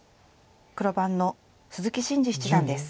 黒番の鈴木伸二七段です。